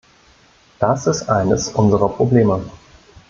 Das ist eines unserer Probleme.